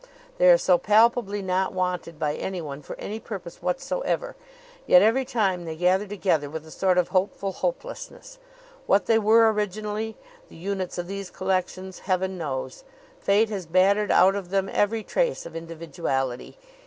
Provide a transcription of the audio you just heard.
They are so palpably not wanted by anyone for any purpose whatsoever; yet every time they gather together with a sort of hopeful hopelessness. What they were originally the units of these collections Heaven knows. Fate has battered out of them every trace of individuality.